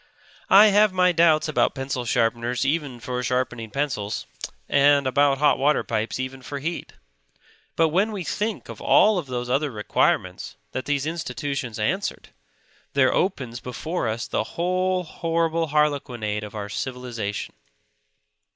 I have my doubts about pencil sharpeners even for sharpening pencils; and about hot water pipes even for heat. But when we think of all those other requirements that these institutions answered, there opens before us the whole horrible harlequinade of our civilization.